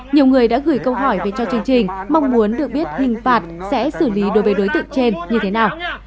nhiều người đã gửi câu hỏi về cho chương trình mong muốn được biết hình phạt sẽ xử lý đối với đối tượng trên như thế nào